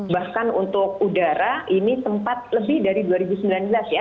bahkan untuk udara ini sempat lebih dari dua ribu sembilan belas ya